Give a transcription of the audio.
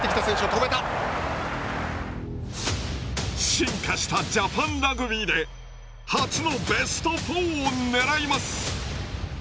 進化したジャパンラグビーで初のベスト４を狙います。